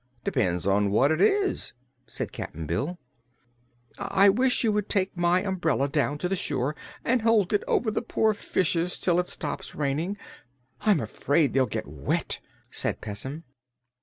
"Depends on what it is," said Cap'n Bill. "I wish you would take my umbrella down to the shore and hold it over the poor fishes till it stops raining. I'm afraid they'll get wet," said Pessim.